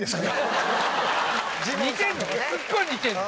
似てるの！